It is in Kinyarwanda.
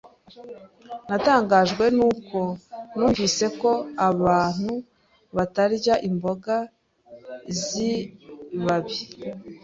Natangajwe nuko numvise ko abantu batarya imboga zibabi.